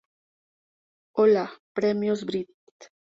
Hola, Premios Brit.